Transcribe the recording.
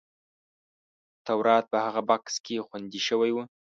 تورات په هغه بکس کې خوندي شوی و.